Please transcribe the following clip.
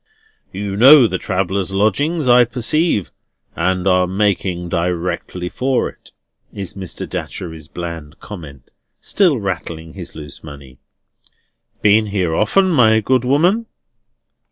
"You know the travellers' lodging, I perceive, and are making directly for it," is Mr. Datchery's bland comment, still rattling his loose money. "Been here often, my good woman?"